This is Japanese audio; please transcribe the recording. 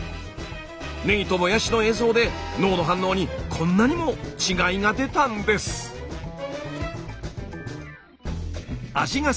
ねぎともやしの映像で脳の反応にこんなにも違いが出たんです。